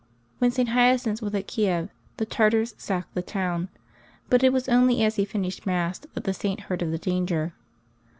When St. Hyacinth was at Kiey the Tartars sacked the town, but it was only as he finished Mass that the Saint heard of the danger.